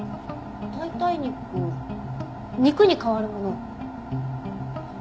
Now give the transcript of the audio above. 代替肉肉に代わるもの。